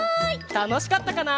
たのしかったかな？